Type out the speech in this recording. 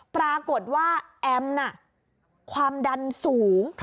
ปรากฏว่าแอมน่ะความดันสูง